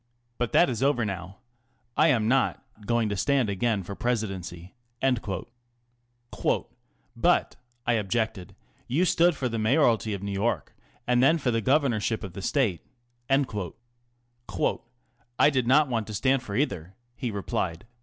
But that is over now. I am not # going to stand again for Presidency." " But," I objected, " you stood for the Mayoralty of New York and then for the Governorship of the State." " I did not want to stand for either," he replied.